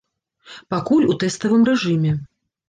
Пакуль у тэставым рэжыме.